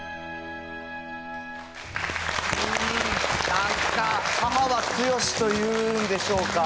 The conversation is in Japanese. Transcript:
なんか母は強しというんでしょうか。